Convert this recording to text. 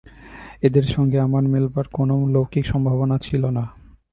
এদের সঙ্গে আমার মেলবার কোনো লৌকিক সম্ভাবনা ছিল না।